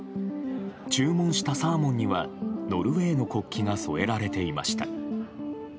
注文したサーモンにはノルウェーの国旗が添えられていました。